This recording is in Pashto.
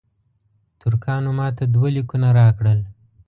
ترکانو ماته دوه لیکونه راکړل.